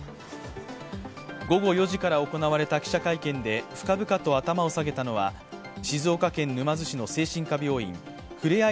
午後４時から行われた記者会見で深々と頭を下げたのは静岡県沼津市の精神科病院ふれあい